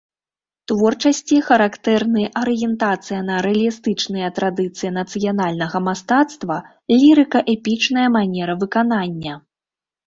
Творчасці характэрны арыентацыя на рэалістычныя традыцыі нацыянальнага мастацтва, лірыка-эпічная манера выканання.